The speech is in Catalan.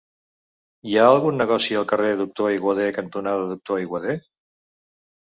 Hi ha algun negoci al carrer Doctor Aiguader cantonada Doctor Aiguader?